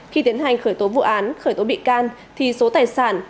khi tiến hành khởi tố vụ án khởi tố bị can thì số tài sản